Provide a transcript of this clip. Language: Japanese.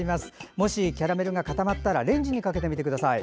もし、キャラメルが固まったらレンジにかけてみてください。